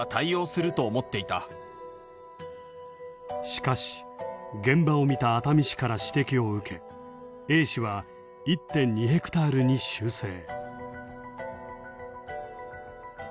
しかし現場を見た熱海市から指摘を受けＡ氏は１．２ヘクタールに修正。